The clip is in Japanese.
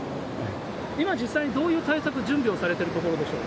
今、実際にどういう対策、準備をされてるところでしょう？